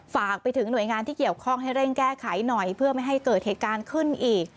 ฝากไปถึงหน่วยงานที่เกี่ยวข้องให้เร่งแก้ไขหน่อยเพื่อไม่ให้เกิดเหตุการณ์ขึ้นอีก